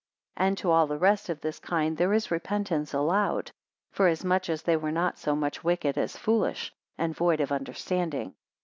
203 And to all the rest of this kind, there is repentance allowed; forasmuch as they were not so much wicked as foolish, and void of understanding.